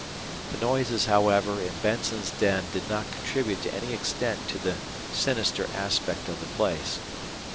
The noises, however, in Benson's den did not contribute to any extent to the sinister aspect of the place.